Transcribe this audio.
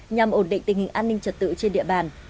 nhằm ổn định tình hình an ninh trật tự trên địa bàn